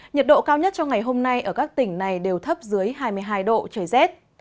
nhiệt độ cao nhất cho ngày hôm nay ở các tỉnh này đều thấp dưới hai mươi hai độ trời rét